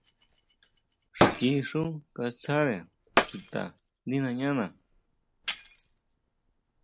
Xki xú katsáre chuta ndí nañana.